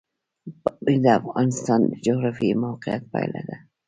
پامیر د افغانستان د جغرافیایي موقیعت پایله ده.